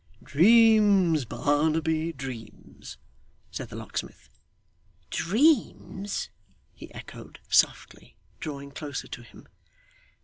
'Dreams, Barnaby, dreams,' said the locksmith. 'Dreams!' he echoed softly, drawing closer to him.